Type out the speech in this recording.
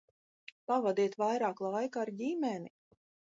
Pavadiet vairāk laika ar ģimeni!